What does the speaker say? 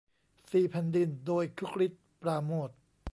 สี่แผ่นดิน โดย คึกฤทธิ์ ปราโมช